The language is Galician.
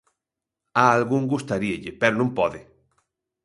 A algún gustaríalle, pero non pode.